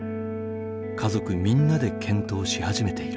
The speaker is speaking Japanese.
家族みんなで検討し始めている。